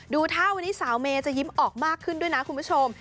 ดูท่าวันนี้สาวเมย์จะยิ้มออกมากขึ้นด้วยนะคุณผู้ชม